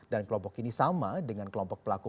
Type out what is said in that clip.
dan kelompok ini sama dengan kelompok pelaku